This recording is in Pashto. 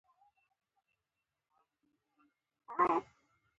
شېبه وروسته ټولو تيمم وواهه.